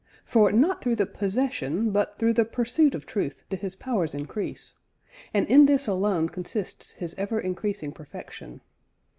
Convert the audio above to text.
For not through the possession, but through the pursuit of truth do his powers increase, and in this alone consists his ever increasing perfection.